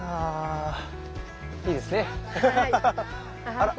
あら？